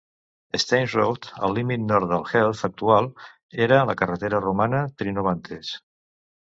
Staines Road, el límit nord del Heath actual, era la carretera romana "Trinobantes".